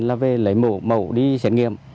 là về lấy mẫu đi xét nghiệm